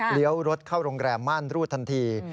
เลี้ยวรถเข้าโรงแกรมมั่นรูดทันที